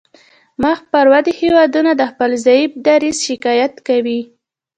مخ پر ودې هیوادونه د خپل ضعیف دریځ شکایت کوي